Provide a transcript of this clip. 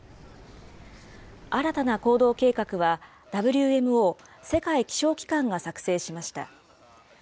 新たな行動計画は、ＷＭＯ・世界気象機関が作成しました。